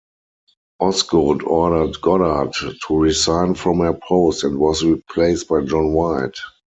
Osgood ordered Goddard to resign from her post and was replaced by John White.